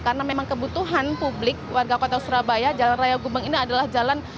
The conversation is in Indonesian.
karena memang kebutuhan publik warga kota surabaya jalan raya gubeng ini adalah jalan